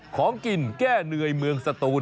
ของกินแก้เหนื่อยเมืองสตูน